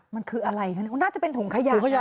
มันคืออะไรคะเนี่ยน่าจะเป็นถุงขยะ